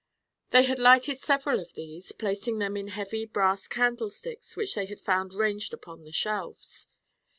They had lighted several of these, placing them in heavy brass candlesticks which they found ranged upon the shelves.